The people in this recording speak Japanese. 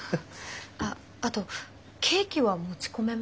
あっあとケーキは持ち込めますか？